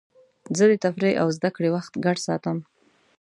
زه د تفریح او زدهکړې وخت ګډ ساتم.